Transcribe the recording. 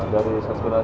dari sasaran ini